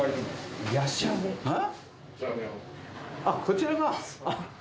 あっこちらが！